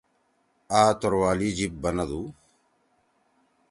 آ توروالی جیِب بنَدُو۔